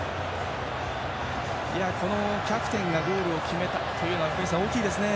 このキャプテンがゴールを決めたというのは福西さん、大きいですね。